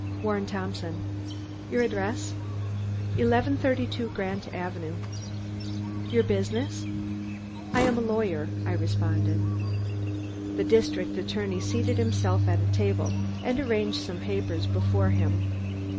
"Warren Thompson." "Your address?" "Eleven thirty two Grant Avenue." "Your business?" "I am a lawyer," I responded. The district attorney seated himself at a table and arranged some papers before him.